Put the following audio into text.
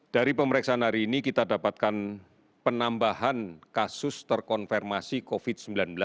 dari pemeriksaan hari ini kita dapatkan penambahan kasus terkonfirmasi covid sembilan belas